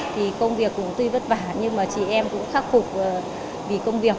thì công việc cũng tuy vất vả nhưng mà chị em cũng khắc phục vì công việc